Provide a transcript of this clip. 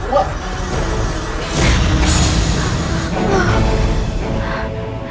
masih masih tua